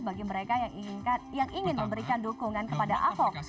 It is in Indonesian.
bagi mereka yang ingin memberikan dukungan kepada ahok